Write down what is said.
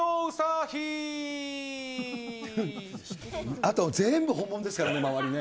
あと全部本物ですからね、周りね。